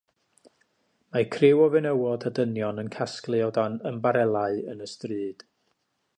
Mae criw o fenywod a dynion yn casglu o dan ymbarelau yn y stryd